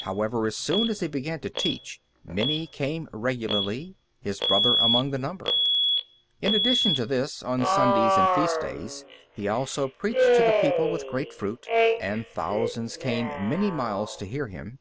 However, as soon as he began to teach, many came regularly, his brother among the number. In addition to this, on Sundays and feast days, he also preached to the people with great fruit, and thousands came many miles to hear him.